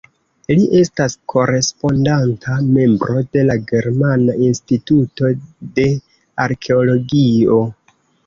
Li estas Korespondanta Membro de la Germana Instituto de Arkeologio.